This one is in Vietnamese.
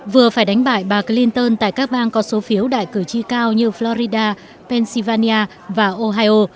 vừa phải đánh bại bà clinton tại các bang có số phiếu đại cử tri cao như florida pennsylvania và ohio